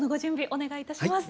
お願いいたします。